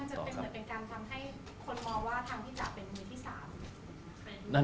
การทำให้คนมองว่าทางพี่จ๋าเป็นมือที่สาม